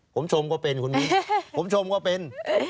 ผมชมก็เป็นคุณมิ้นผมชมก็เป็น